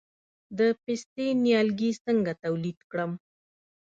د پستې نیالګي څنګه تولید کړم؟